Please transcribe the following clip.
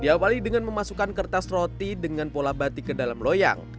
diawali dengan memasukkan kertas roti dengan pola batik ke dalam loyang